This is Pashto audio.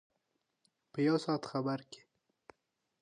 په یو ساعت خبر کې.